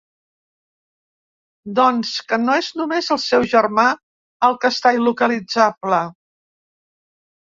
Doncs que no és només el seu germà, el que està il·localitzable.